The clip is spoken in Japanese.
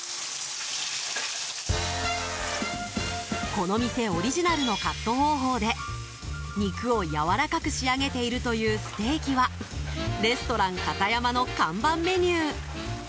この店オリジナルのカット方法で肉をやわらかく仕上げているというステーキはレストランカタヤマの看板メニュー。